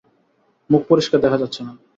মুখ পরিষ্কার দেখা যাচ্ছে না।